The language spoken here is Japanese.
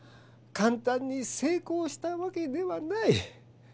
かんたんに成功したわけではない。